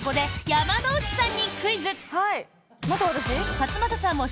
山之内さん。